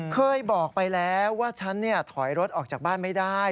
เคยบอกไปแล้วว่าฉันถอยรถออกจากบ้านไม่ได้